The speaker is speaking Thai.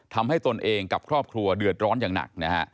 ตนเองกับครอบครัวเดือดร้อนอย่างหนักนะฮะ